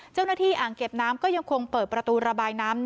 เจ้าหน้าที่อ่างเก็บน้ำก็ยังคงเปิดประตูระบายน้ำ